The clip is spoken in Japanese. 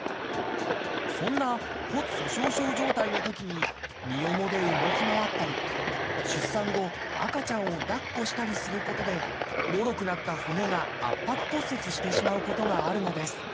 そんな骨粗しょう症状態のときに身重で動き回ったり出産後赤ちゃんを抱っこしたりすることでもろくなった骨が圧迫骨折してしまうことがあるのです。